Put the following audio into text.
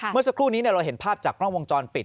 เมื่อสักครู่นี้เราเห็นภาพจากกล้องวงจรปิด